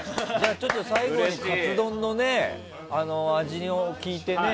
最後にカツ丼の味を聞いてね。